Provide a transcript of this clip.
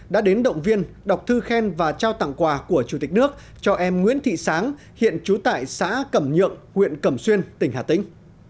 đã đến động viên đọc thư khen và trao tặng quà của chủ tịch nước cho em nguyễn thị sáng hiện trú tại xã cẩm nhượng huyện cẩm xuyên tỉnh hà tĩnh